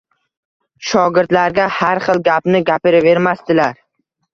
Shogirdlarga har xil gapni gapiravermasdilar.